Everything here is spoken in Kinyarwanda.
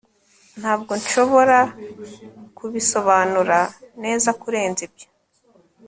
Ntabwo nshobora kubisobanura neza kurenza ibyo